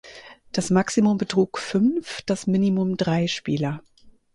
Das Maximum betrug fünf, das Minimum drei Spieler.